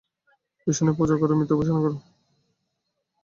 ভীষণের পূজা কর, মৃত্যুর উপাসনা কর।